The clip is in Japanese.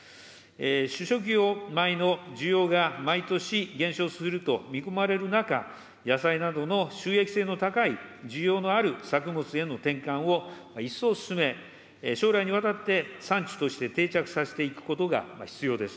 主食用米の需要が毎年減少すると見込まれる中、野菜などの収益性の高い需要のある作物への転換を一層進め、将来にわたって産地として定着させていくことが必要です。